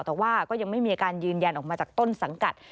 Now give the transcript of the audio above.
แต่ว่าก็ยังไม่มีอาการยืนยันออกมาจากต้นสังกัด